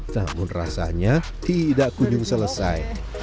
namun rasanya tidak kunjung selesai